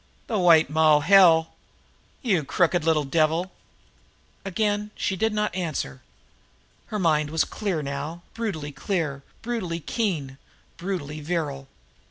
The White Moll hell! You crooked little devil!" Again she did not answer. Her mind was clear now, brutally clear, brutally keen, brutally virile.